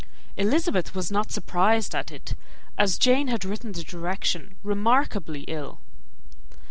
Elizabeth was not surprised at it, as Jane had written the direction remarkably ill.